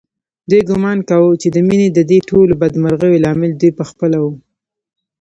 دوی ګومان کاوه چې د مينې ددې ټولو بدمرغیو لامل دوی په خپله و